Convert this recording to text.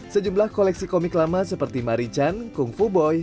sejumlah koleksi komik lama seperti marichan kung fu boy